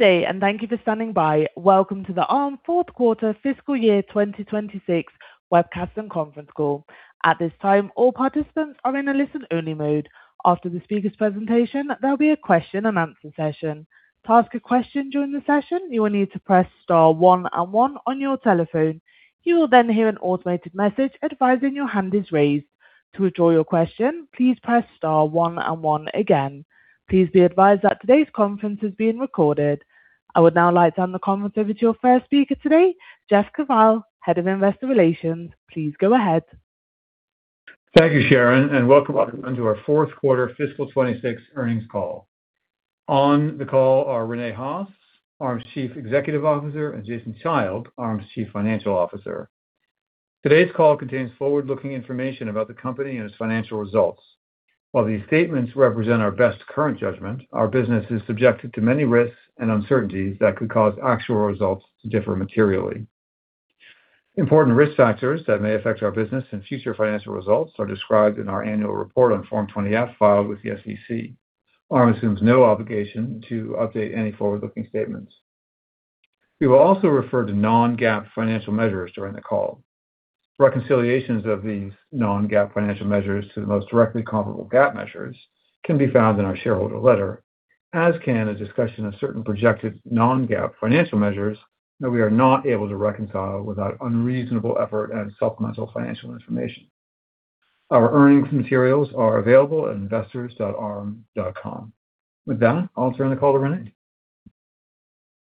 Thank you for standing by. Welcome to the Arm fourth quarter fiscal year 2026 webcast and conference call. At this time, all participants are in a listen-only mode. After the speaker's presentation, there'll be a question and answer session. To ask a question during the session, you will need to press star one and one on your telephone. You will hear an automated message advising your hand is raised. To withdraw your question, please press star one and one again. Please be advised that today's conference is being recorded. I would now like to hand the conference over to your first speaker today, Jeff Kvaal, head of Investor Relations. Please go ahead. Thank you, Sharon, and welcome everyone to our fourth quarter fiscal 2026 earnings call. On the call are Rene Haas, Arm's Chief Executive Officer, and Jason Child, Arm's Chief Financial Officer. Today's call contains forward-looking information about the company and its financial results. While these statements represent our best current judgment, our business is subjected to many risks and uncertainties that could cause actual results to differ materially. Important risk factors that may affect our business and future financial results are described in our annual report on Form 20-F filed with the SEC. Arm assumes no obligation to update any forward-looking statements. We will also refer to non-GAAP financial measures during the call. Reconciliations of these non-GAAP financial measures to the most directly comparable GAAP measures can be found in our shareholder letter, as can a discussion of certain projected non-GAAP financial measures that we are not able to reconcile without unreasonable effort and supplemental financial information. Our earnings materials are available at investors.arm.com. With that, I'll turn the call to Rene.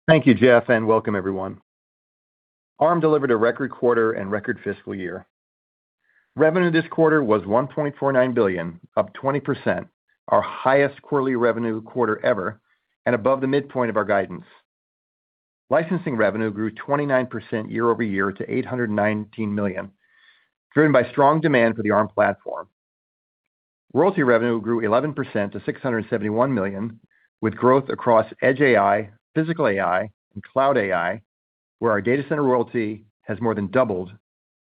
Thank you, Jeff, welcome everyone. Arm delivered a record quarter and record fiscal year. Revenue this quarter was $1.49 billion, up 20%, our highest quarterly revenue quarter ever and above the midpoint of our guidance. Licensing revenue grew 29% year-over-year to $819 million, driven by strong demand for the Arm platform. Royalty revenue grew 11% to $671 million with growth across Edge AI, physical AI, and cloud AI, where our data center royalty has more than doubled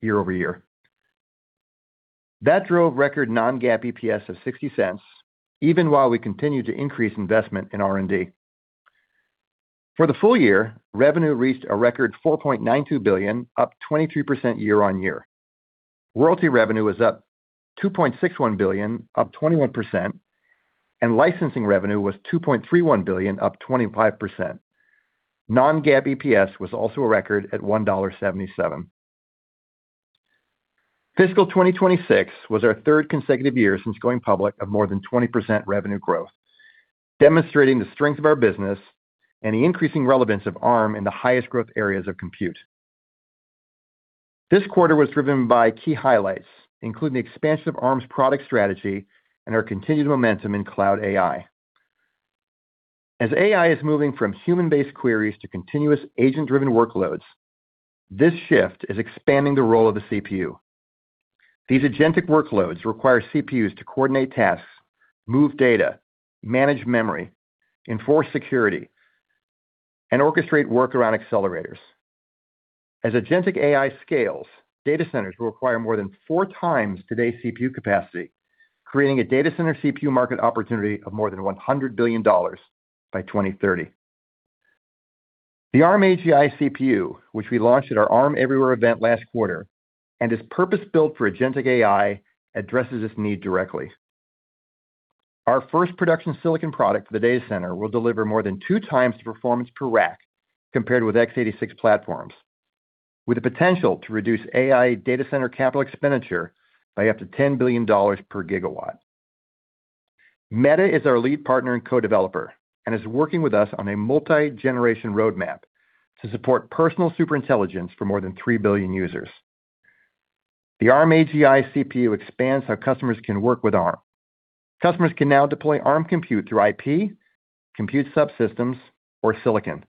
year-over-year. That drove record non-GAAP EPS of $0.60, even while we continued to increase investment in R&D. For the full year, revenue reached a record $4.92 billion, up 23% year-on-year. Royalty revenue was up $2.61 billion, up 21%, and licensing revenue was $2.31 billion, up 25%. Non-GAAP EPS was also a record at $1.77. Fiscal 2026 was our third consecutive year since going public of more than 20% revenue growth, demonstrating the strength of our business and the increasing relevance of Arm in the highest growth areas of compute. This quarter was driven by key highlights, including the expansion of Arm's product strategy and our continued momentum in cloud AI. As AI is moving from human-based queries to continuous agent-driven workloads, this shift is expanding the role of the CPU. These agentic workloads require CPUs to coordinate tasks, move data, manage memory, enforce security, and orchestrate work around accelerators. As agentic AI scales, data centers will require more than four times today's CPU capacity, creating a data center CPU market opportunity of more than $100 billion by 2030. The Arm AGI CPU, which we launched at our Arm Everywhere event last quarter and is purpose-built for agentic AI, addresses this need directly. Our first production silicon product for the data center will deliver more than two times the performance per rack compared with x86 platforms, with the potential to reduce AI data center capital expenditure by up to $10 billion per gigawatt. Meta is our lead partner and co-developer and is working with us on a multi-generation roadmap to support personal super intelligence for more than 3 billion users. The Arm AGI CPU expands how customers can work with Arm. Customers can now deploy Arm compute through IP, compute subsystems, or silicon.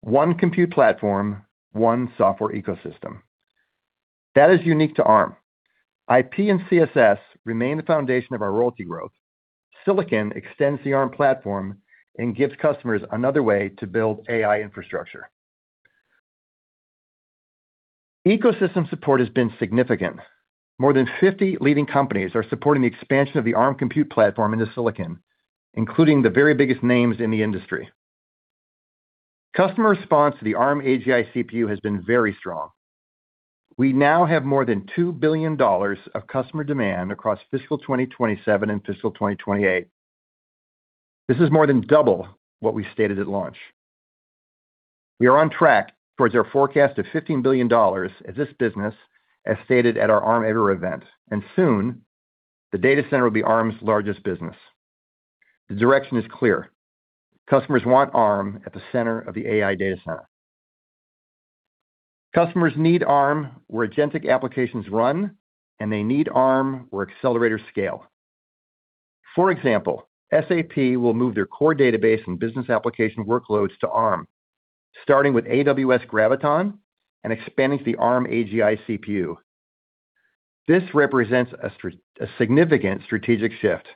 One compute platform, one software ecosystem. That is unique to Arm. IP and CSS remain the foundation of our royalty growth. Silicon extends the Arm platform and gives customers another way to build AI infrastructure. Ecosystem support has been significant. More than 50 leading companies are supporting the expansion of the Arm compute platform into silicon, including the very biggest names in the industry. Customer response to the Arm AGI CPU has been very strong. We now have more than $2 billion of customer demand across fiscal 2027 and fiscal 2028. This is more than double what we stated at launch. We are on track towards our forecast of $15 billion as this business as stated at our Arm Everywhere event. Soon, the data center will be Arm's largest business. The direction is clear. Customers want Arm at the center of the AI data center. Customers need Arm where agentic applications run, and they need Arm where accelerators scale. For example, SAP will move their core database and business application workloads to Arm, starting with AWS Graviton and expanding to the Arm AGI CPU. This represents a significant strategic shift.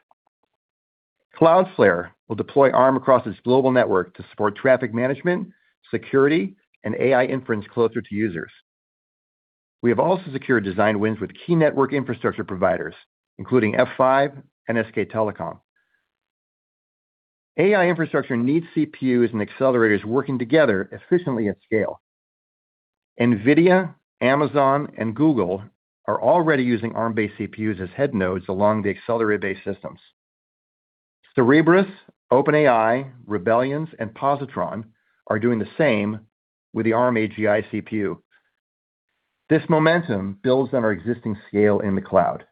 Cloudflare will deploy Arm across its global network to support traffic management, security, and AI inference closer to users. We have also secured design wins with key network infrastructure providers, including F5 and SK Telecom. AI infrastructure needs CPUs and accelerators working together efficiently at scale. NVIDIA, Amazon, and Google are already using Arm-based CPUs as head nodes along the accelerator-based systems. Cerebras, OpenAI, Rebellions, and Positron are doing the same with the Arm AGI CPU. This momentum builds on our existing scale in the cloud.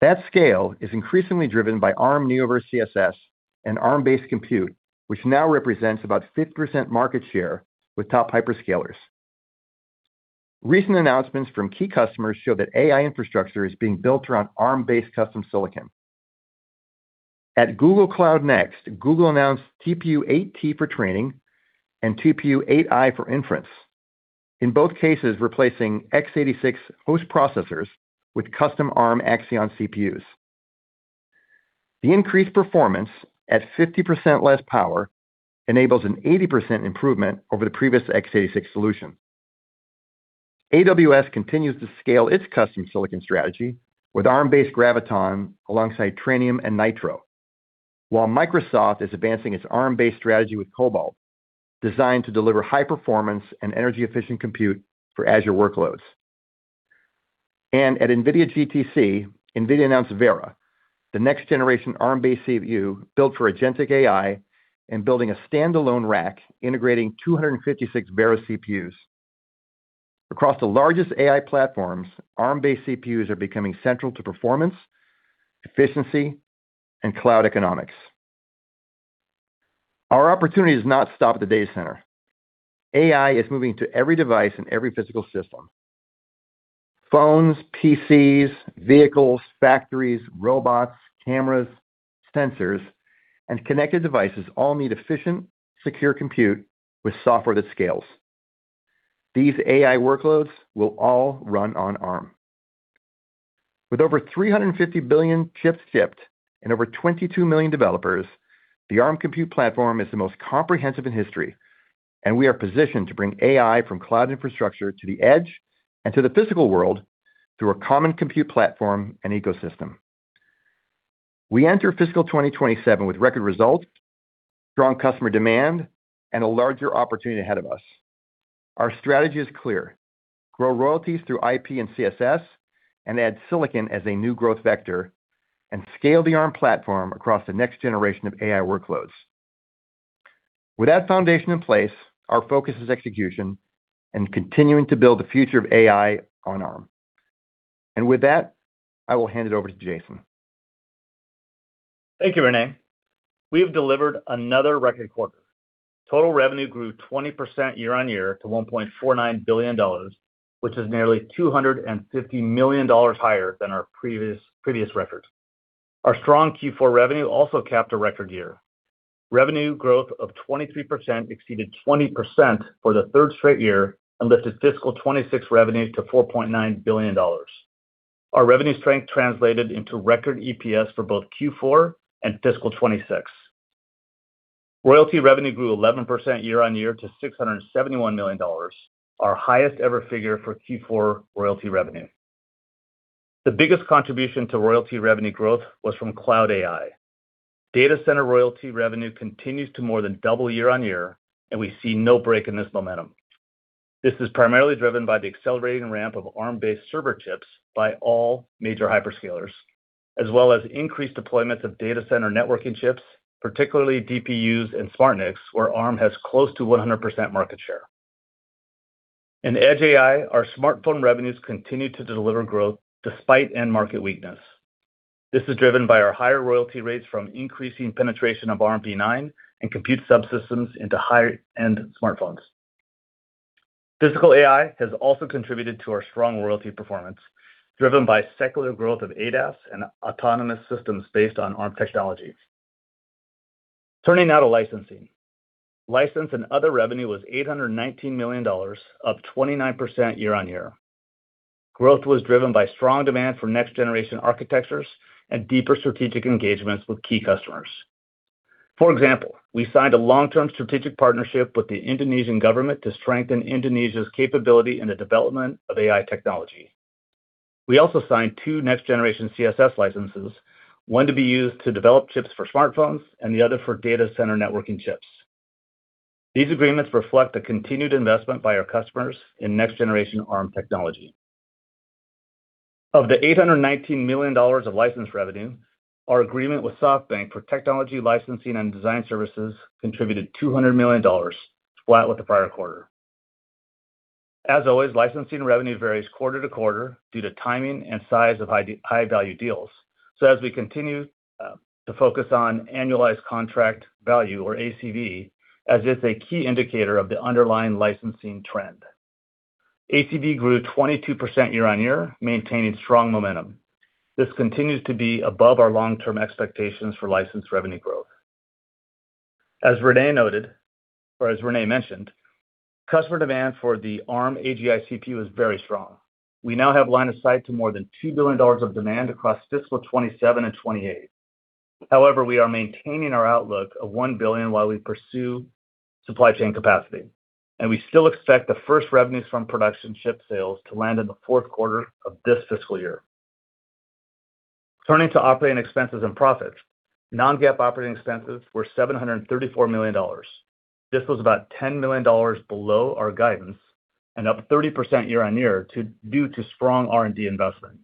That scale is increasingly driven by Arm Neoverse CSS and Arm-based Compute, which now represents about 50% market share with top hyperscalers. Recent announcements from key customers show that AI infrastructure is being built around Arm-based custom silicon. At Google Cloud Next, Google announced TPU 8t for training and TPU 8i for inference. In both cases, replacing x86 host processors with custom Arm Axion CPUs. The increased performance at 50% less power enables an 80% improvement over the previous x86 solution. AWS continues to scale its custom silicon strategy with Arm-based Graviton alongside Trainium and Nitro, while Microsoft is advancing its Arm-based strategy with Cobalt, designed to deliver high performance and energy-efficient compute for Azure workloads. At NVIDIA GTC, NVIDIA announced Vera, the next generation Arm-based CPU built for agentic AI and building a standalone rack integrating 256 Vera CPUs. Across the largest AI platforms, Arm-based CPUs are becoming central to performance, efficiency, and cloud economics. Our opportunities do not stop at the data center. AI is moving to every device and every physical system. Phones, PCs, vehicles, factories, robots, cameras, sensors, and connected devices all need efficient, secure compute with software that scales. These AI workloads will all run on Arm. With over 350 billion chips shipped and over 22 million developers, the Arm compute platform is the most comprehensive in history, and we are positioned to bring AI from cloud infrastructure to the edge and to the physical world through a common compute platform and ecosystem. We enter fiscal 2027 with record results, strong customer demand, and a larger opportunity ahead of us. Our strategy is clear: grow royalties through IP and CSS and add silicon as a new growth vector and scale the Arm platform across the next generation of AI workloads. With that foundation in place, our focus is execution and continuing to build the future of AI on Arm. With that, I will hand it over to Jason. Thank you, Rene. We have delivered another record quarter. Total revenue grew 20% year-over-year to $1.49 billion, which is nearly $250 million higher than our previous records. Our strong Q4 revenue also capped a record year. Revenue growth of 23% exceeded 20% for the third straight year and lifted fiscal 2026 revenues to $4.9 billion. Our revenue strength translated into record EPS for both Q4 and fiscal 2026. Royalty revenue grew 11% year-over-year to $671 million, our highest ever figure for Q4 royalty revenue. The biggest contribution to royalty revenue growth was from cloud AI. Data center royalty revenue continues to more than double year-over-year, and we see no break in this momentum. This is primarily driven by the accelerating ramp of Arm-based server chips by all major hyperscalers, as well as increased deployments of data center networking chips, particularly DPUs and SmartNICs, where Arm has close to 100% market share. In Edge AI, our smartphone revenues continue to deliver growth despite end market weakness. This is driven by our higher royalty rates from increasing penetration of Armv9 and compute subsystems into higher-end smartphones. Edge AI has also contributed to our strong royalty performance, driven by secular growth of ADAS and autonomous systems based on Arm technology. Turning now to licensing. License and other revenue was $819 million, up 29% year-on-year. Growth was driven by strong demand for next-generation architectures and deeper strategic engagements with key customers. For example, we signed a long-term strategic partnership with the Indonesian government to strengthen Indonesia's capability in the development of AI technology. We also signed two next-generation CSS licenses, one to be used to develop chips for smartphones and the other for data center networking chips. These agreements reflect the continued investment by our customers in next-generation Arm technology. Of the $819 million of licensed revenue, our agreement with SoftBank for technology licensing and design services contributed $200 million, flat with the prior quarter. As always, licensing revenue varies quarter to quarter due to timing and size of high-value deals. As we continue to focus on annualized contract value or ACV as it's a key indicator of the underlying licensing trend. ACV grew 22% year-on-year, maintaining strong momentum. This continues to be above our long-term expectations for licensed revenue growth. As Rene noted, or as Rene mentioned, customer demand for the Arm AGI CPU is very strong. We now have line of sight to more than $2 billion of demand across fiscal 2027 and 2028. However, we are maintaining our outlook of $1 billion while we pursue supply chain capacity, and we still expect the first revenues from production shipped sales to land in the fourth quarter of this fiscal year. Turning to operating expenses and profits. Non-GAAP operating expenses were $734 million. This was about $10 million below our guidance and up 30% year-on-year due to strong R&D investment.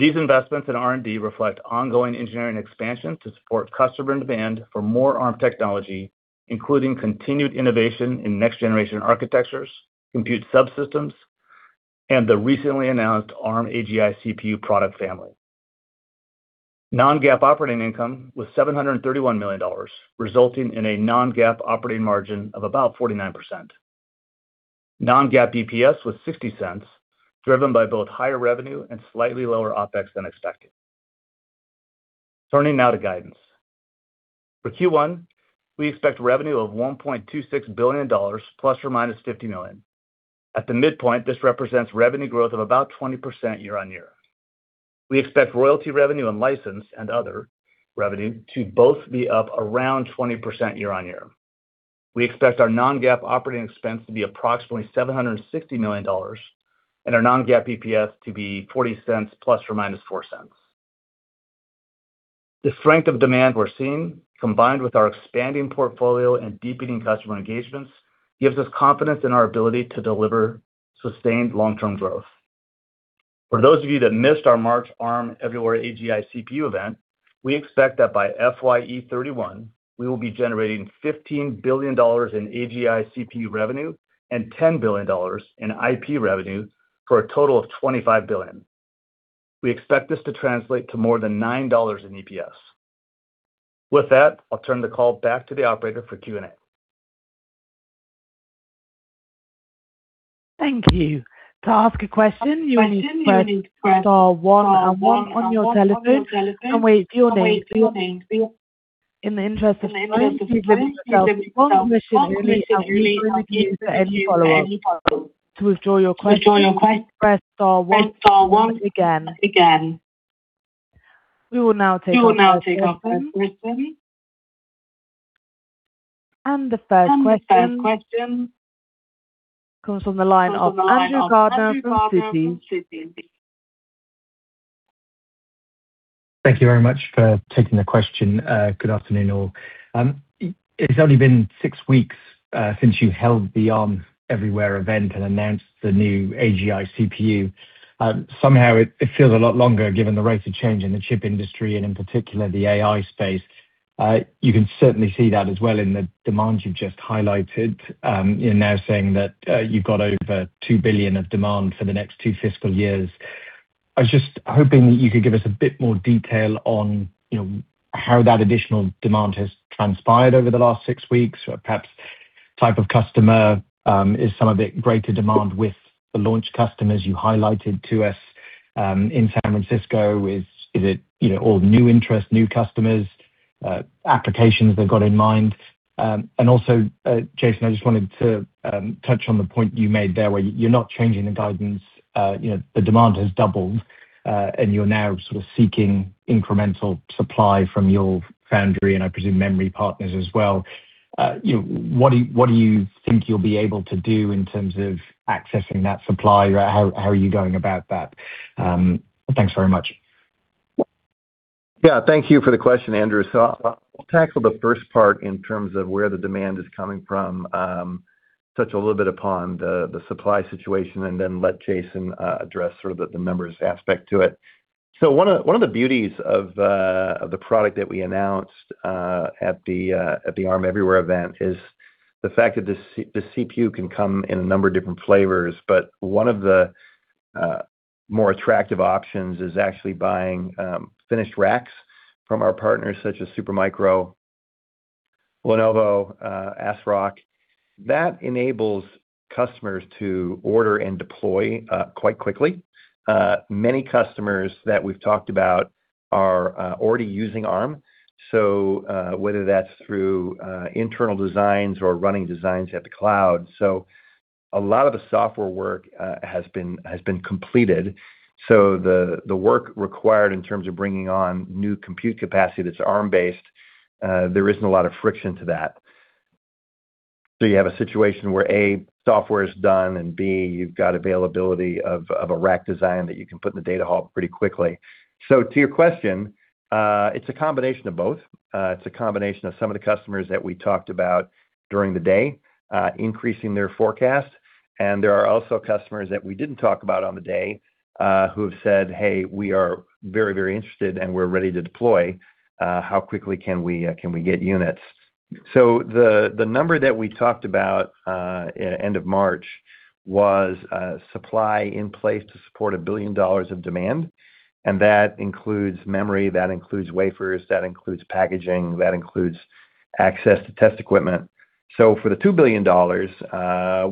These investments in R&D reflect ongoing engineering expansion to support customer demand for more Arm technology, including continued innovation in next-generation architectures, Compute Subsystems, and the recently announced Arm AGI CPU product family. Non-GAAP operating income was $731 million, resulting in a non-GAAP operating margin of about 49%. Non-GAAP EPS was $0.60, driven by both higher revenue and slightly lower OpEx than expected. Turning now to guidance. For Q1, we expect revenue of $1.26 billion ±$50 million. At the midpoint, this represents revenue growth of about 20% year-on-year. We expect royalty revenue and license and other revenue to both be up around 20% year-on-year. We expect our non-GAAP operating expense to be approximately $760 million and our non-GAAP EPS to be $0.40 ±$0.04. The strength of demand we're seeing, combined with our expanding portfolio and deepening customer engagements, gives us confidence in our ability to deliver sustained long-term growth. For those of you that missed our March Arm Everywhere AGI CPU event, we expect that by FY 2031, we will be generating $15 billion in AGI CPU revenue and $10 billion in IP revenue for a total of $25 billion. We expect this to translate to more than $9 in EPS. With that, I'll turn the call back to the operator for Q&A. Thank you. We will now take our first question. The first question comes from the line of Andrew Gardiner from Citi. Thank you very much for taking the question. Good afternoon, all. It's only been six weeks since you held the Arm Everywhere event and announced the new Arm AGI CPU. Somehow it feels a lot longer given the rate of change in the chip industry and in particular the AI space. You can certainly see that as well in the demand you've just highlighted. You're now saying that you've got over $2 billion of demand for the next two fiscal years. I was just hoping that you could give us a bit more detail on, you know, how that additional demand has transpired over the last six weeks, or perhaps type of customer. Is some of it greater demand with the launch customers you highlighted to us in San Francisco? Is it, you know, all new interest, new customers, applications they've got in mind? Also, Jason, I just wanted to touch on the point you made there where you're not changing the guidance. You know, the demand has doubled, and you're now sort of seeking incremental supply from your foundry and I presume memory partners as well. You know, what do you think you'll be able to do in terms of accessing that supply? How are you going about that? Thanks very much. Yeah. Thank you for the question, Andrew. I'll tackle the first part in terms of where the demand is coming from, touch a little bit upon the supply situation, and then let Jason address sort of the numbers aspect to it. One of the beauties of the product that we announced at the Arm Everywhere event is the fact that the CPU can come in a number of different flavors. One of the more attractive options is actually buying finished racks from our partners such as Supermicro, Lenovo, ASRock. That enables customers to order and deploy quite quickly. Many customers that we've talked about are already using Arm, so whether that's through internal designs or running designs at the cloud. A lot of the software work has been completed. The work required in terms of bringing on new compute capacity that's Arm-based, there isn't a lot of friction to that. You have a situation where, A, software is done, and B, you've got availability of a rack design that you can put in the data hub pretty quickly. To your question, it's a combination of both. It's a combination of some of the customers that we talked about during the day, increasing their forecast, and there are also customers that we didn't talk about on the day, who have said, "Hey, we are very, very interested and we're ready to deploy. How quickly can we get units? The number that we talked about end of March was supply in place to support $1 billion of demand, and that includes memory, that includes wafers, that includes packaging, that includes access to test equipment. For the $2 billion,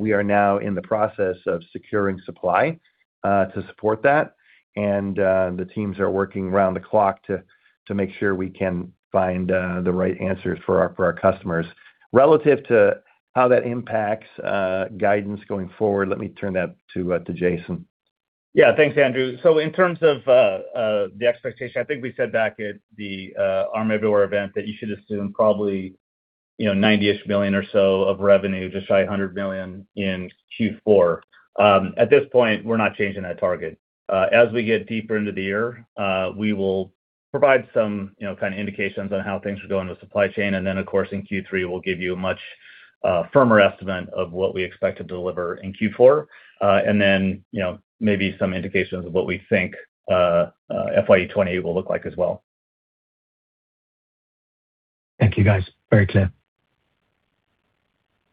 we are now in the process of securing supply to support that. The teams are working around the clock to make sure we can find the right answers for our customers. Relative to how that impacts guidance going forward, let me turn that to Jason. Yeah. Thanks, Andrew. In terms of the expectation, I think we said back at the Arm Everywhere event that you should assume probably, you know, $90-ish million or so of revenue, just shy of $100 million in Q4. At this point, we're not changing that target. As we get deeper into the year, we will provide some, you know, kind of indications on how things are going with supply chain. Of course, in Q3, we'll give you a much firmer estimate of what we expect to deliver in Q4. You know, maybe some indications of what we think FY 2020 will look like as well. Thank you, guys. Very clear.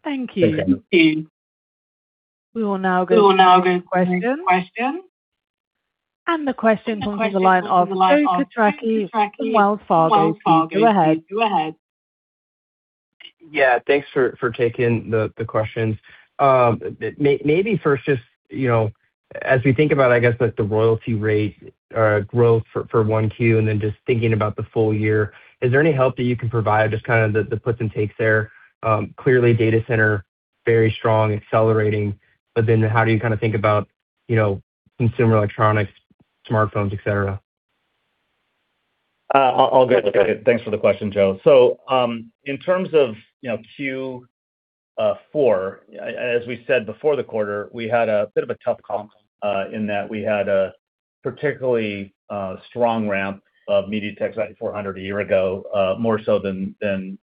Thank you. We will now go to questions. The question comes from the line of Joe Quatrochi, Wells Fargo. Please go ahead. Yeah. Thanks for taking the questions. Maybe first just, you know, as we think about, I guess, like the royalty rate growth for 1Q and then just thinking about the full year, is there any help that you can provide, just kind of the puts and takes there? Clearly, data center, very strong, accelerating. How do you kinda think about, you know, consumer electronics, smartphones, et cetera? I'll get it. Thanks for the question, Joe. In terms of, you know, Q4, as we said before the quarter, we had a bit of a tough comp, in that we had a particularly strong ramp of MediaTek's Snapdragon 400 a year ago, more so than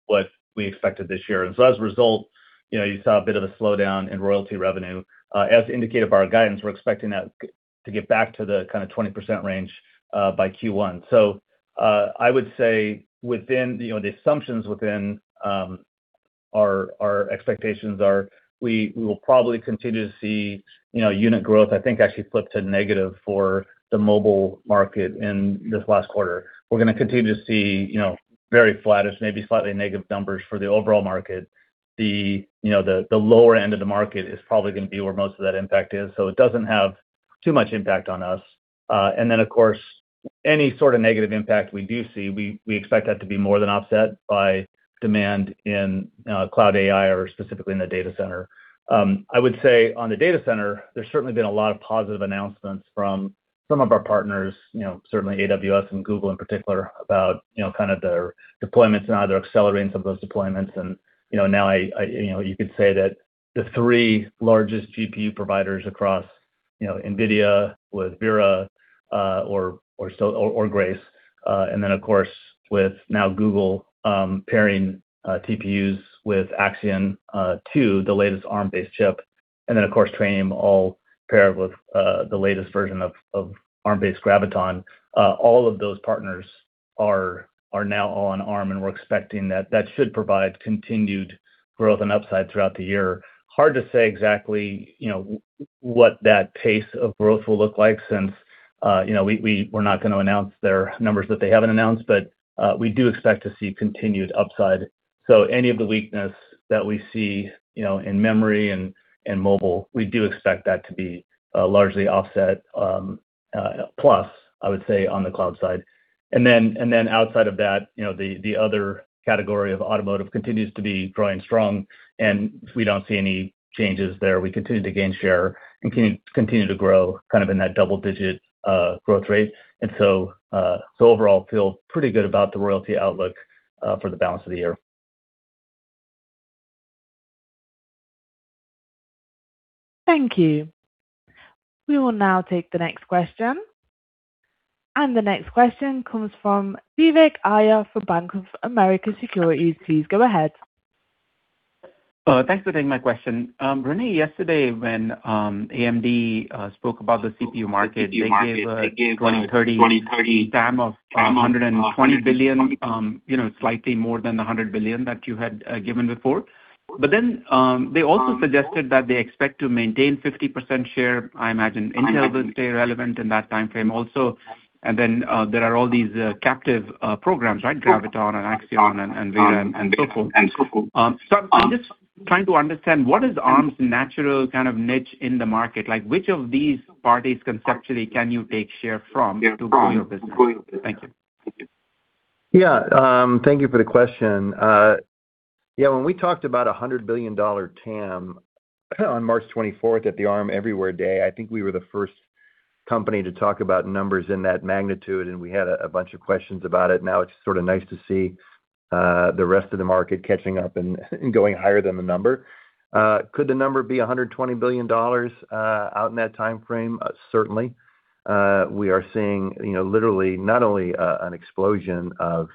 what we expected this year. As a result, you know, you saw a bit of a slowdown in royalty revenue. As indicated by our guidance, we're expecting that to get back to the kinda 20% range, by Q1. I would say within, you know, the assumptions within our expectations are we will probably continue to see, you know, unit growth, I think, actually flip to negative for the mobile market in this last quarter. We're gonna continue to see, you know, very flattish, maybe slightly negative numbers for the overall market. The, you know, the lower end of the market is probably gonna be where most of that impact is, it doesn't have too much impact on us. Of course, any sort of negative impact we do see, we expect that to be more than offset by demand in cloud AI or specifically in the data center. I would say on the data center, there's certainly been a lot of positive announcements from some of our partners, you know, certainly AWS and Google in particular, about, you know, kind of their deployments and either accelerating some of those deployments. You know, now You know, you could say that the three largest GPU providers across NVIDIA with Vera, or Grace, and then, of course, with now Google, pairing TPUs with Axion, to the latest Arm-based chip, and then, of course, Trainium all paired with the latest version of Arm-based Graviton. All of those partners are now all on Arm, we're expecting that that should provide continued growth and upside throughout the year. Hard to say exactly what that pace of growth will look like since we're not gonna announce their numbers that they haven't announced, but we do expect to see continued upside. Any of the weakness that we see, you know, in memory and mobile, we do expect that to be largely offset, plus, I would say, on the cloud side. Then outside of that, you know, the other category of automotive continues to be growing strong, and we don't see any changes there. We continue to gain share and continue to grow kind of in that double-digit growth rate. Overall, feel pretty good about the royalty outlook for the balance of the year. Thank you. We will now take the next question. The next question comes from Vivek Arya for BofA Securities. Please go ahead. Thanks for taking my question. Rene, yesterday when AMD spoke about the CPU market, they gave a 2030 TAM of $120 billion, you know, slightly more than the $100 billion that you had given before. They also suggested that they expect to maintain 50% share. I imagine Intel will stay relevant in that timeframe also. There are all these captive programs, right? Graviton and Axion and Vera and so forth. I'm just trying to understand what is Arm's natural kind of niche in the market? Like, which of these parties conceptually can you take share from to grow your business? Thank you. Thank you for the question. When we talked about a $100 billion TAM on March 24th at the Arm Everywhere day, I think we were the first company to talk about numbers in that magnitude, and we had a bunch of questions about it. Now it's sort of nice to see the rest of the market catching up and going higher than the number. Could the number be $120 billion out in that timeframe? Certainly. We are seeing, you know, literally not only an explosion of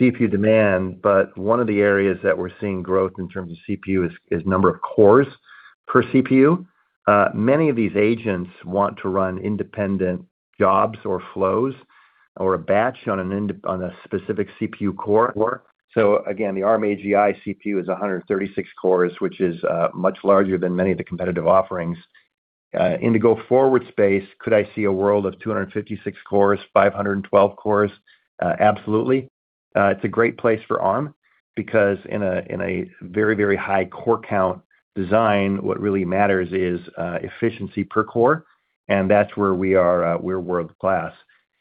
CPU demand, but one of the areas that we're seeing growth in terms of CPU is number of cores per CPU. Many of these agents want to run independent jobs or flows or a batch on a specific CPU core. Again, the Arm AGI CPU is 136 cores, which is much larger than many of the competitive offerings. In the go forward space, could I see a world of 256 cores, 512 cores? Absolutely. It's a great place for Arm because in a very, very high core count design, what really matters is efficiency per core, and that's where we are, we're world-class.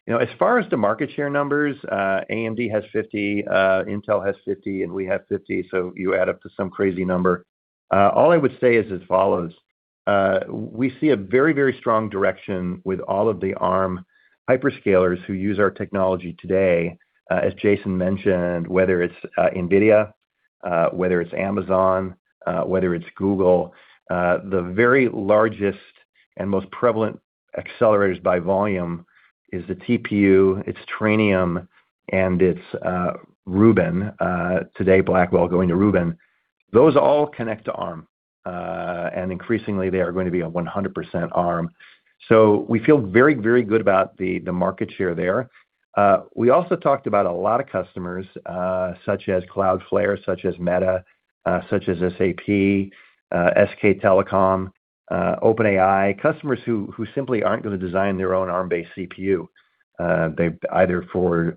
You know, as far as the market share numbers, AMD has 50, Intel has 50, and we have 50, so you add up to some crazy number. All I would say is as follows. We see a very, very strong direction with all of the Arm hyperscalers who use our technology today, as Jason mentioned, whether it's NVIDIA, whether it's Amazon, whether it's Google. The very largest and most prevalent accelerators by volume is the TPU, it's Trainium, and it's Rubin. Today, Blackwell going to Rubin. Those all connect to Arm. Increasingly they are going to be a 100% Arm. We feel very, very good about the market share there. We also talked about a lot of customers, such as Cloudflare, such as Meta, such as SAP, SK Telecom, OpenAI, customers who simply aren't gonna design their own Arm-based CPU. They've either for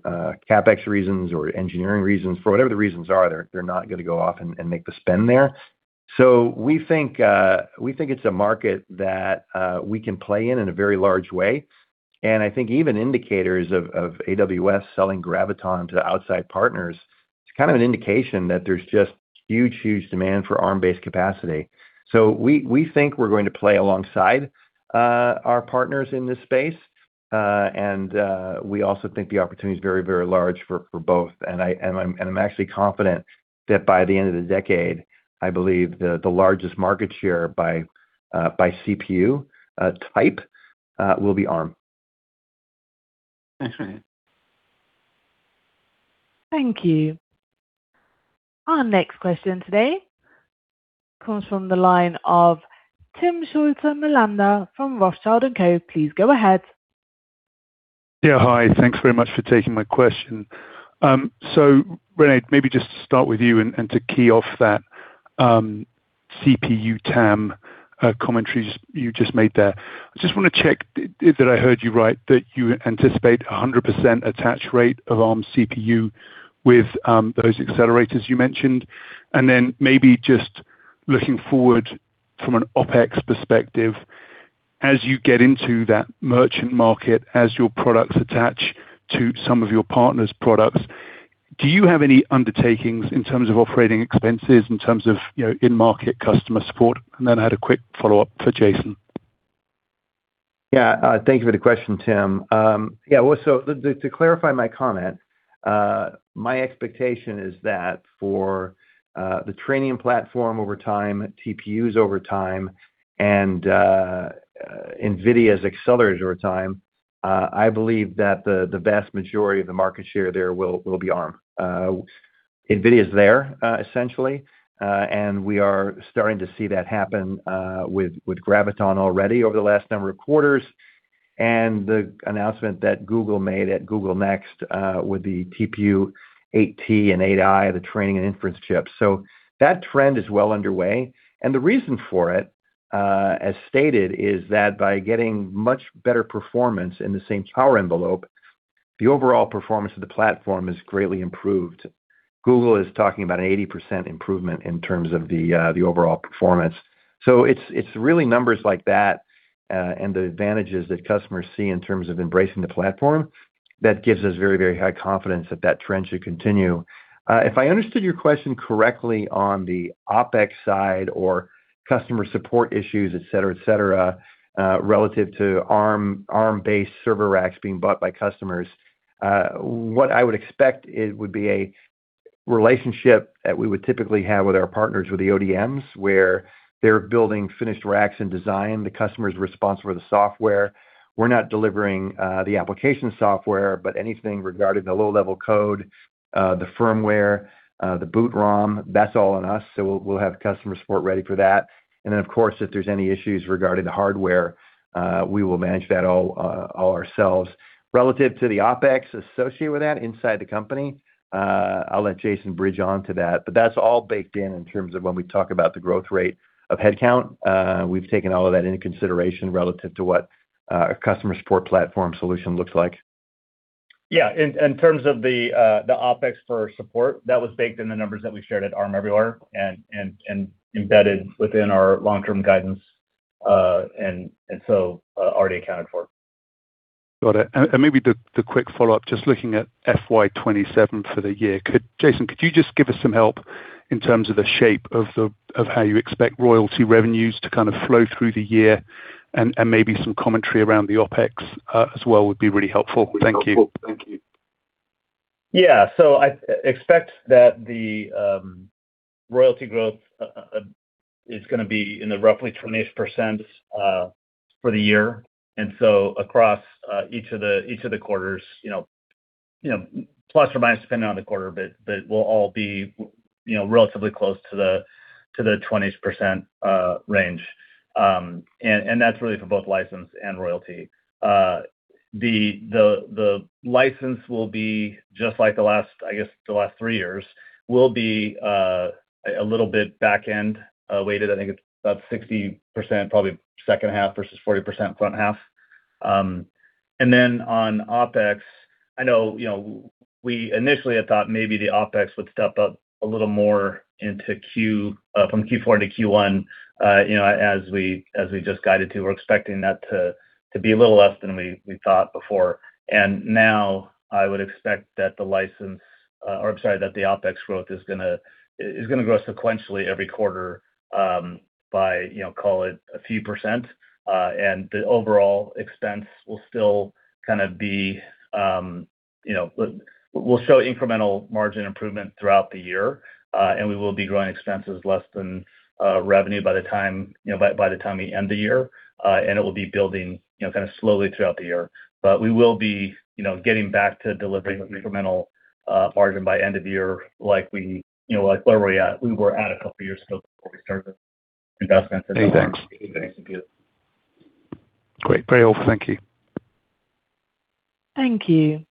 CapEx reasons or engineering reasons, for whatever the reasons are, they're not gonna go off and make the spend there. We think it's a market that we can play in in a very large way. I think even indicators of AWS selling Graviton to outside partners, it's kind of an indication that there's just huge demand for Arm-based capacity. We think we're going to play alongside our partners in this space. We also think the opportunity is very large for both. I'm actually confident that by the end of the decade, I believe the largest market share by CPU type will be Arm. Thanks very much. Thank you. Our next question today comes from the line of Timm Schulze-Melander from Rothschild & Co. Please go ahead. Yeah, hi. Thanks very much for taking my question. Rene, maybe just to start with you and to key off that, CPU TAM, commentary you just made there. I just wanna check did I heard you right that you anticipate a 100% attach rate of Arm CPU with, those accelerators you mentioned. Maybe just looking forward from an OpEx perspective, as you get into that merchant market, as your products attach to some of your partners' products, do you have any undertakings in terms of operating expenses, in terms of, you know, in-market customer support? I had a quick follow-up for Jason. Yeah. Thank you for the question, Timm. Yeah, well, so to clarify my comment, my expectation is that for the Trainium platform over time, TPUs over time, and NVIDIA's accelerators over time, I believe that the vast majority of the market share there will be Arm. NVIDIA is there, essentially, and we are starting to see that happen with Graviton already over the last number of quarters, and the announcement that Google made at Google Cloud Next with the TPU 8t and 8i, the training and inference chips. That trend is well underway. The reason for it, as stated, is that by getting much better performance in the same power envelope, the overall performance of the platform is greatly improved. Google is talking about an 80% improvement in terms of the overall performance. It's really numbers like that and the advantages that customers see in terms of embracing the platform that gives us very, very high confidence that that trend should continue. If I understood your question correctly on the OpEx side or customer support issues, et cetera, et cetera, relative to Arm-based server racks being bought by customers, what I would expect it would be a relationship that we would typically have with our partners with the ODMs, where they're building finished racks and design. The customer is responsible for the software. We're not delivering the application software, but anything regarding the low-level code, the firmware, the boot ROM, that's all on us. We'll have customer support ready for that. Of course, if there's any issues regarding the hardware, we will manage that all ourselves. Relative to the OpEx associated with that inside the company, I'll let Jason bridge on to that. That's all baked in in terms of when we talk about the growth rate of headcount. We've taken all of that into consideration relative to what, a customer support platform solution looks like. Yeah. In terms of the OpEx for support, that was baked in the numbers that we shared at Arm Everywhere and embedded within our long-term guidance, and so already accounted for. Got it. Maybe the quick follow-up, just looking at FY 2027 for the year. Jason, could you just give us some help in terms of the shape of how you expect royalty revenues to kind of flow through the year and maybe some commentary around the OpEx as well would be really helpful. Thank you. Yeah. I expect that the royalty growth is going to be in the roughly 20% for the year. Across each of the quarters, you know, you know, plus or minus depending on the quarter, but we'll all be, you know, relatively close to the 20% range. And that's really for both license and royalty. The license will be just like the last, I guess, the last three years, will be a little bit back-end weighted. I think it's about 60% probably second half versus 40% front half. On OpEx I know, you know, we initially had thought maybe the OpEx would step up a little more into Q, from Q4 into Q1. You know, as we just guided to, we're expecting that to be a little less than we thought before. Now I would expect that the license, or I'm sorry, that the OpEx growth is gonna grow sequentially every quarter, by, you know, call it a few percent. The overall expense will still kind of be, you know, we'll show incremental margin improvement throughout the year, and we will be growing expenses less than revenue by the time, you know, by the time we end the year. It will be building, you know, kind of slowly throughout the year. We will be, you know, getting back to delivering incremental margin by end of year, like we, you know, like where we were at a couple years ago before we started the investments in. Great. Very helpful. Thank you. Thank you.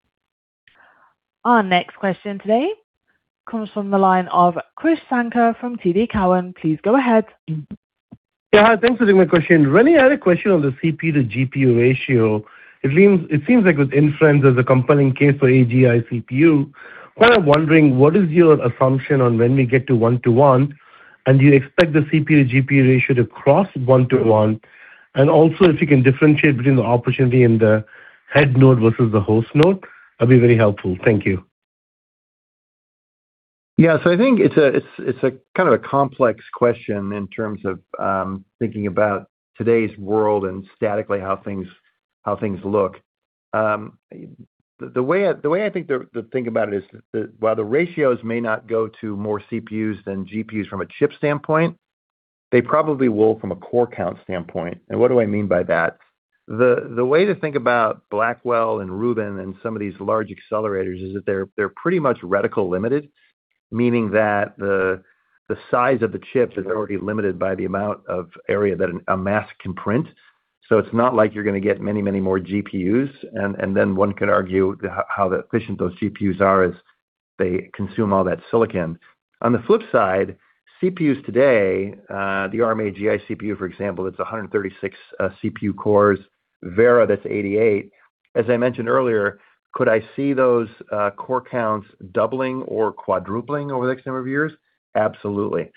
Our next question today comes from the line of Krish Sankar from TD Cowen. Please go ahead. Yeah. Thanks for taking my question. Rene, I had a question on the CPU to GPU ratio. It seems like with inference as a compelling case for AGI CPU, kind of wondering what is your assumption on when we get to one-to-one, and do you expect the CPU to GPU ratio to cross one-to-one? And also if you can differentiate between the opportunity in the head node versus the host node, that'd be very helpful. Thank you. Yeah. I think it's a kind of a complex question in terms of thinking about today's world and statically how things look. The way I think the think about it is that while the ratios may not go to more CPUs than GPUs from a chip standpoint, they probably will from a core count standpoint. What do I mean by that? The way to think about Blackwell and Rubin and some of these large accelerators is that they're pretty much reticle limited, meaning that the size of the chips is already limited by the amount of area that a mask can print. It's not like you're gonna get many more GPUs. One could argue how efficient those GPUs are as they consume all that silicon. On the flip side, CPUs today, the Arm AGI CPU, for example, it's 136 CPU cores. Vera, that's 88. As I mentioned earlier, could I see those core counts doubling or quadrupling over the next number of years? Absolutely.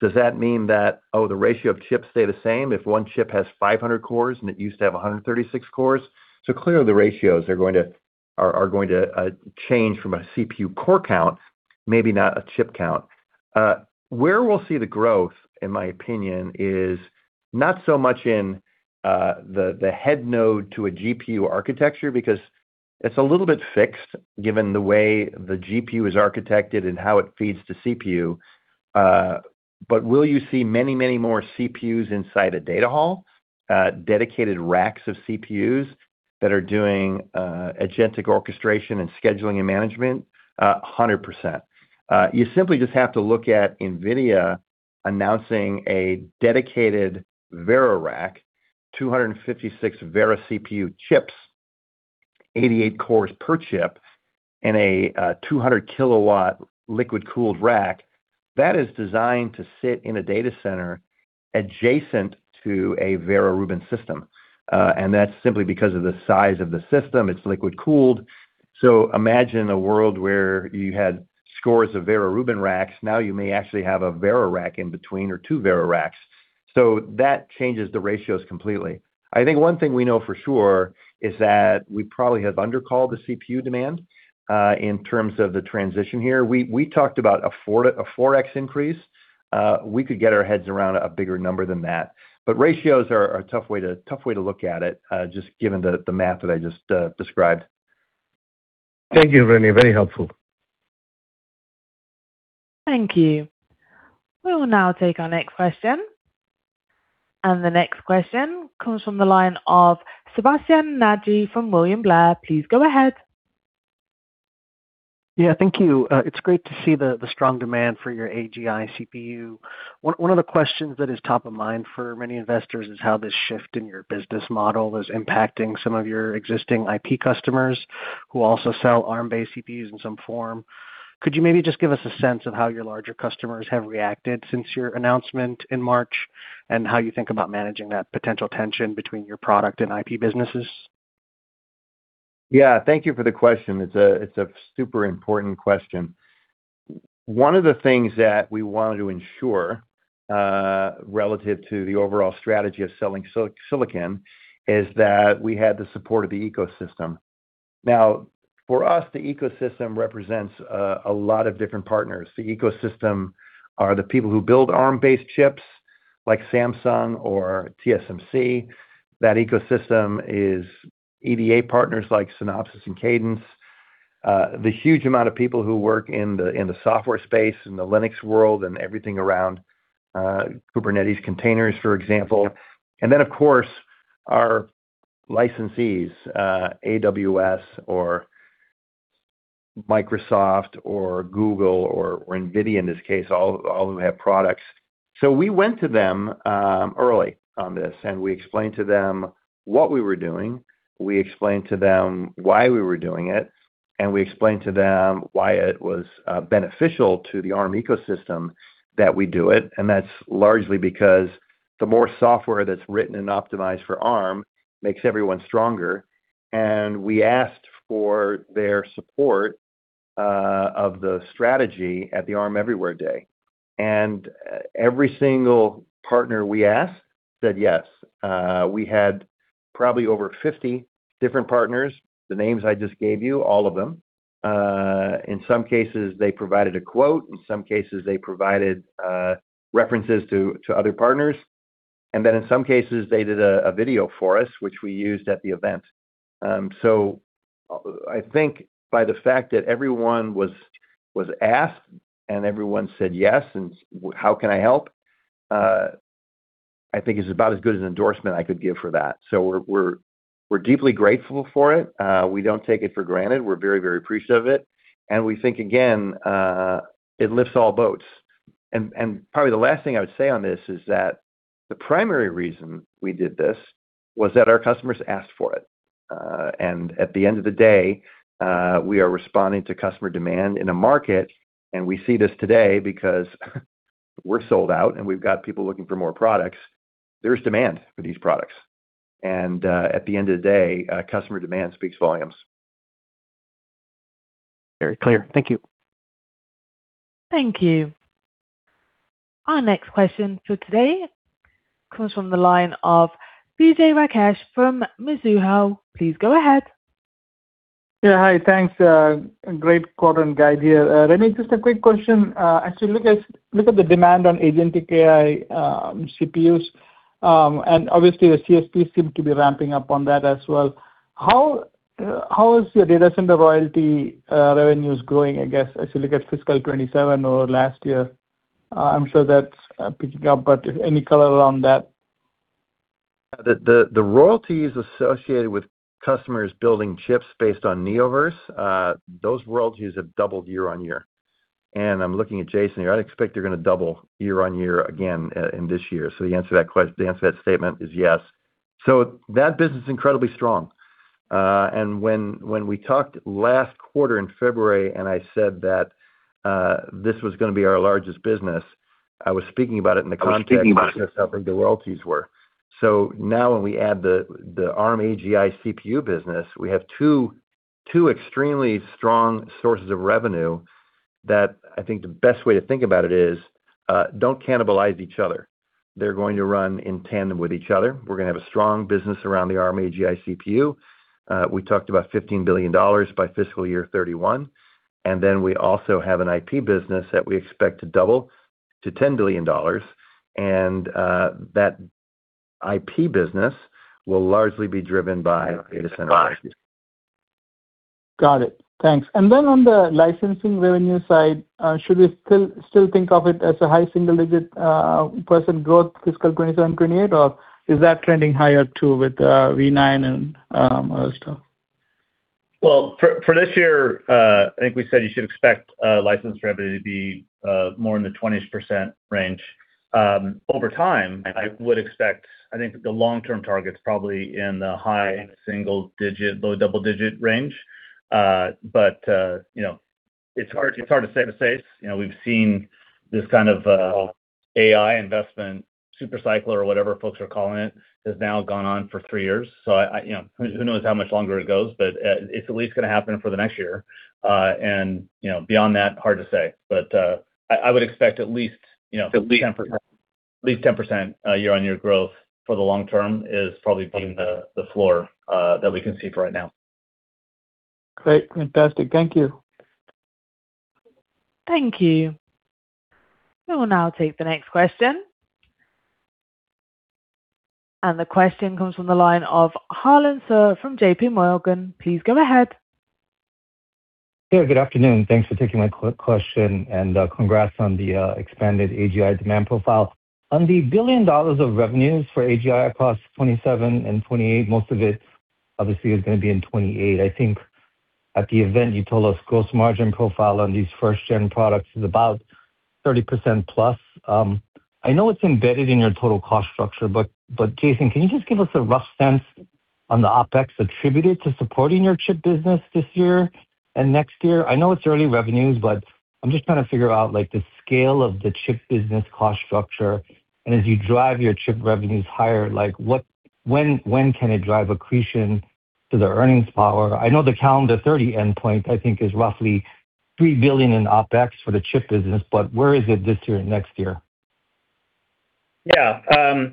Does that mean that the ratio of chips stay the same if one chip has 500 cores and it used to have 136 cores? Clearly the ratios are going to change from a CPU core count, maybe not a chip count. Where we'll see the growth, in my opinion, is not so much in the head node to a GPU architecture because it's a little bit fixed given the way the GPU is architected and how it feeds to CPU. Will you see many more CPUs inside a data hall, dedicated racks of CPUs that are doing agentic orchestration and scheduling and management? One hundred percent. You simply just have to look at NVIDIA announcing a dedicated Vera rack, 256 Vera CPU chips, 88 cores per chip in a 200 kW liquid-cooled rack. That is designed to sit in a data center adjacent to a Vera Rubin system. That's simply because of the size of the system. It's liquid-cooled. Imagine a world where you had scores of Vera Rubin racks. Now you may actually have a Vera rack in between or two Vera racks. That changes the ratios completely. I think one thing we know for sure is that we probably have undercalled the CPU demand in terms of the transition here. We talked about a 4x increase. We could get our heads around a bigger number than that. Ratios are a tough way to look at it, just given the math that I just described. Thank you, Rene. Very helpful. Thank you. We will now take our next question. The next question comes from the line of Sebastien Naji from William Blair. Please go ahead. Yeah. Thank you. It's great to see the strong demand for your AGI CPU. One of the questions that is top of mind for many investors is how this shift in your business model is impacting some of your existing IP customers who also sell Arm-based CPUs in some form. Could you maybe just give us a sense of how your larger customers have reacted since your announcement in March, and how you think about managing that potential tension between your product and IP businesses? Yeah. Thank you for the question. It's a super important question. One of the things that we wanted to ensure relative to the overall strategy of selling silicon, is that we had the support of the ecosystem. For us, the ecosystem represents a lot of different partners. The ecosystem are the people who build Arm-based chips like Samsung or TSMC. That ecosystem is EDA partners like Synopsys and Cadence. The huge amount of people who work in the software space, in the Linux world, and everything around Kubernetes containers, for example. Of course our licensees, AWS or Microsoft or Google or NVIDIA, in this case, all who have products. We went to them early on this, we explained to them what we were doing, we explained to them why we were doing it, and we explained to them why it was beneficial to the Arm ecosystem that we do it. That's largely because the more software that's written and optimized for Arm makes everyone stronger. We asked for their support of the strategy at the Arm Everywhere day. Every single partner we asked said yes. We had probably over 50 different partners, the names I just gave you, all of them. In some cases, they provided a quote. In some cases, they provided references to other partners. Then in some cases, they did a video for us, which we used at the event. I think by the fact that everyone was asked and everyone said yes and how can I help, I think is about as good as an endorsement I could give for that. We're deeply grateful for it. We don't take it for granted. We're very, very appreciative of it. We think, again, it lifts all boats. Probably the last thing I would say on this is that the primary reason we did this was that our customers asked for it. At the end of the day, we are responding to customer demand in a market, and we see this today because we're sold out, and we've got people looking for more products. There's demand for these products. At the end of the day, customer demand speaks volumes. Very clear. Thank you. Thank you. Our next question for today comes from the line of Vijay Rakesh from Mizuho. Please go ahead. Yeah, hi. Thanks. Great quarter and guide here. Rene, just a quick question. As you look at the demand on agentic AI CPUs, and obviously the CSPs seem to be ramping up on that as well. How is your data center royalty revenues growing, I guess, as you look at fiscal 2027 over last year? I'm sure that's picking up, any color around that? The royalties associated with customers building chips based on Neoverse, those royalties have doubled year-on-year. I'm looking at Jason here. I'd expect they're gonna double year-on-year again in this year. The answer to that statement is yes. That business is incredibly strong. When we talked last quarter in February and I said that this was gonna be our largest business, I was speaking about it in the context of how big the royalties were. Now when we add the Arm AGI CPU business, we have two extremely strong sources of revenue that I think the best way to think about it is, don't cannibalize each other. They're going to run in tandem with each other. We're gonna have a strong business around the Arm AGI CPU. We talked about $15 billion by fiscal year 2031. We also have an IP business that we expect to double to $10 billion, and that IP business will largely be driven by data center. Got it. Thanks. On the licensing revenue side, should we still think of it as a high single-digit percent growth FY 2027, FY 2028? Is that trending higher too with Armv9 and other stuff? Well, for this year, I think we said you should expect license revenue to be more in the 20% range. Over time, I would expect, I think the long-term target's probably in the high single-digit, low double-digit range. You know, it's hard to say for say. You know, we've seen this kind of AI investment super cycle or whatever folks are calling it, has now gone on for three years. I, you know, who knows how much longer it goes, but it's at least gonna happen for the next year. You know, beyond that, hard to say. I would expect at least, you know, at least 10% year-on-year growth for the long term is probably being the floor that we can see for right now. Great. Fantastic. Thank you. Thank you. We will now take the next question. The question comes from the line of Harlan Sur from JPMorgan. Please go ahead. Yeah, good afternoon. Thanks for taking my question, and congrats on the expanded AGI demand profile. On the $1 billion of revenues for AGI across 2027 and 2028, most of it obviously is gonna be in 2028. I think at the event you told us gross margin profile on these first gen products is about 30%+. I know it's embedded in your total cost structure, but Jason, can you just give us a rough sense on the OpEx attributed to supporting your chip business this year and next year? I know it's early revenues, but I'm just trying to figure out like the scale of the chip business cost structure. As you drive your chip revenues higher, like when can it drive accretion to the earnings power? I know the calendar 2030 endpoint I think is roughly $3 billion in OpEx for the chip business, but where is it this year, next year? Yeah.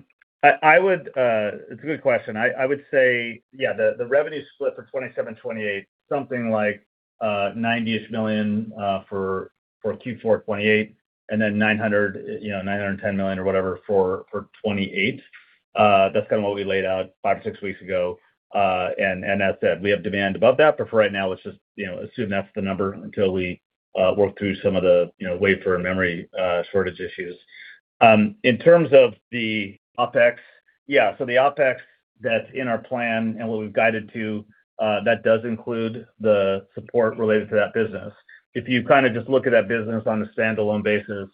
I would. It's a good question. I would say, yeah, the revenue split for 2027, 2028, something like $90 million for Q4 2028, and then $910 million or whatever for 2028. That's kinda what we laid out five or six weeks ago. As said, we have demand above that. For right now let's just, you know, assume that's the number until we work through some of the, you know, wafer and memory shortage issues. In terms of the OpEx, yeah. The OpEx that's in our plan and what we've guided to, that does include the support related to that business. If you kinda just look at that business on a standalone basis,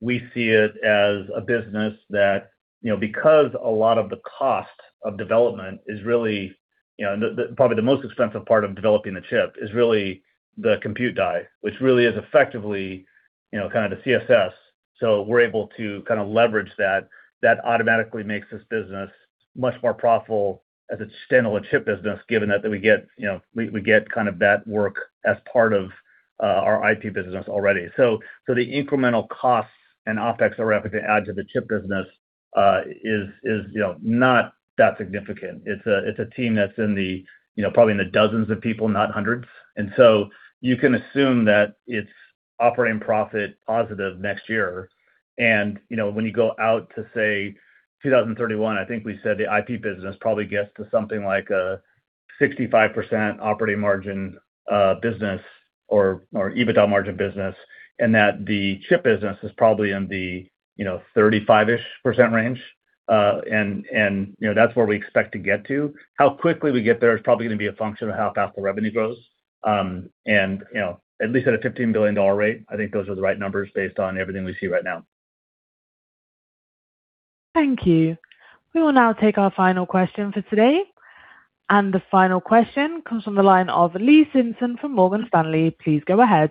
we see it as a business that, you know, because a lot of the cost of development is really. You know, the probably the most expensive part of developing the chip is really the compute die, which really is effectively, you know, kind of the CSS. We're able to kind of leverage that. That automatically makes this business much more profitable as a standalone chip business, given that we get, you know, we get kind of that work as part of our IP business already. The incremental costs and OpEx we're having to add to the chip business is, you know, not that significant. It's a, it's a team that's in the, you know, probably in the dozens of people, not hundreds. You can assume that it's operating profit positive next year. You know, when you go out to say 2031, I think we said the IP business probably gets to something like a 65% operating margin, business or EBITDA margin business, and that the chip business is probably in the, you know, 35%-ish range. You know, that's where we expect to get to. How quickly we get there is probably gonna be a function of how fast the revenue grows. You know, at least at a $15 billion rate, I think those are the right numbers based on everything we see right now. Thank you. We will now take our final question for today. The final question comes from the line of Lee Simpson from Morgan Stanley. Please go ahead.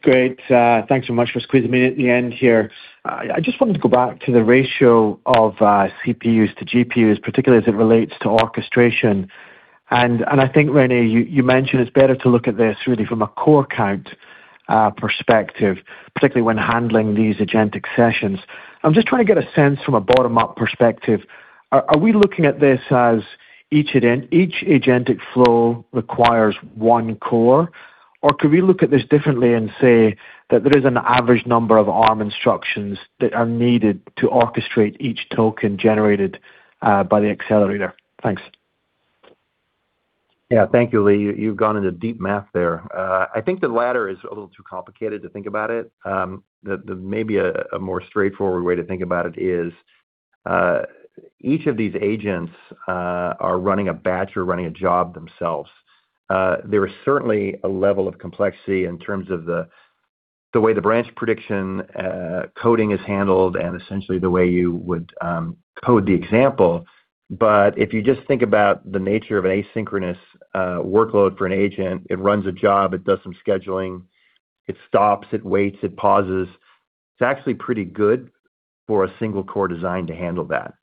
Great. Thanks so much for squeezing me in at the end here. I just wanted to go back to the ratio of CPUs to GPUs, particularly as it relates to orchestration. I think, Rene, you mentioned it's better to look at this really from a core count perspective, particularly when handling these agentic sessions. I'm just trying to get a sense from a bottom-up perspective. Are we looking at this as each agentic flow requires one core? Or could we look at this differently and say that there is an average number of Arm instructions that are needed to orchestrate each token generated by the accelerator? Thanks. Yeah. Thank you, Lee. You've gone into deep math there. I think the latter is a little too complicated to think about it. The maybe a more straightforward way to think about it is each of these agents are running a batch or running a job themselves. There is certainly a level of complexity in terms of the way the branch prediction coding is handled and essentially the way you would code the example. If you just think about the nature of an asynchronous workload for an agent, it runs a job, it does some scheduling, it stops, it waits, it pauses. It's actually pretty good for a single core design to handle that,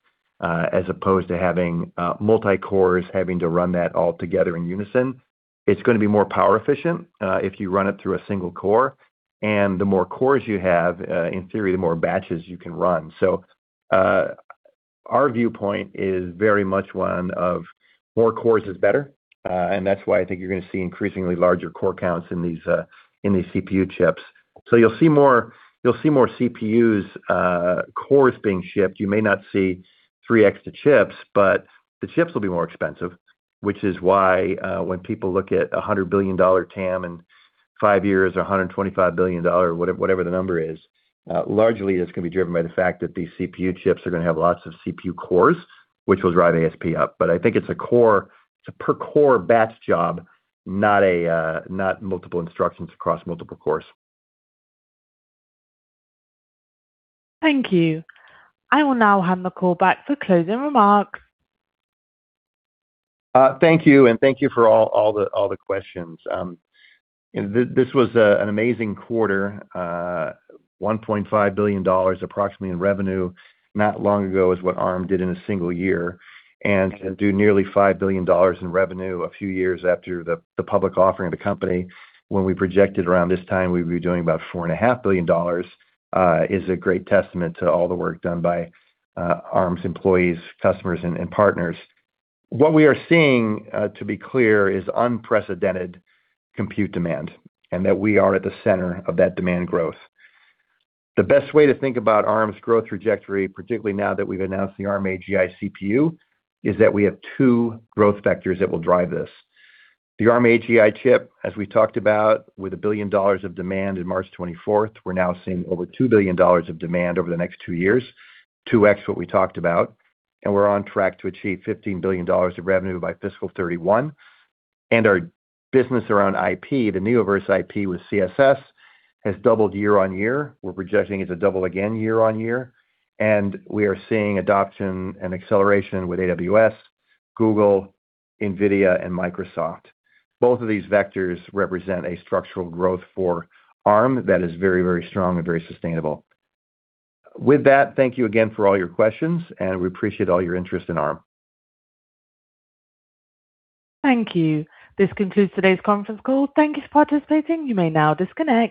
as opposed to having multi-cores having to run that all together in unison. It's gonna be more power efficient if you run it through a single core. The more cores you have, in theory, the more batches you can run. Our viewpoint is very much one of more cores is better, that's why I think you're gonna see increasingly larger core counts in these CPU chips. You'll see more CPUs, cores being shipped. You may not see three extra chips, but the chips will be more expensive, which is why when people look at a $100 billion TAM in five years or a $125 billion, what-whatever the number is, largely that's gonna be driven by the fact that these CPU chips are gonna have lots of CPU cores, which will drive ASP up. I think it's a core, it's a per core batch job, not a, not multiple instructions across multiple cores. Thank you. I will now hand the call back for closing remarks. Thank you, and thank you for all the questions. You know, this was an amazing quarter. $1.5 billion approximately in revenue not long ago is what Arm did in a single year. To do nearly $5 billion in revenue a few years after the public offering of the company, when we projected around this time we'd be doing about four and a half billion dollars, is a great testament to all the work done by Arm's employees, customers, and partners. What we are seeing, to be clear, is unprecedented compute demand, and that we are at the center of that demand growth. The best way to think about Arm's growth trajectory, particularly now that we've announced the Arm AGI CPU, is that we have two growth vectors that will drive this. The Arm AGI chip, as we talked about, with $1 billion of demand in March 24th, we're now seeing over $2 billion of demand over the next two years, 2x what we talked about. We're on track to achieve $15 billion of revenue by fiscal 2031. Our business around IP, the Neoverse IP with CSS, has doubled year-on-year. We're projecting it to double again year-on-year. We are seeing adoption and acceleration with AWS, Google, NVIDIA, and Microsoft. Both of these vectors represent a structural growth for Arm that is very, very strong and very sustainable. With that, thank you again for all your questions, and we appreciate all your interest in Arm. Thank you. This concludes today's conference call. Thank you for participating. You may now disconnect.